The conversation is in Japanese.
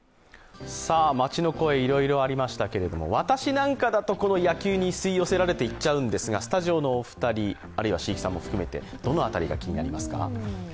街の声、いろいろありましたけれども、私なんかだと野球に吸い寄せられていっちゃうんですがスタジオのお二人、椎木さんも含めてどの辺りが気になりますか？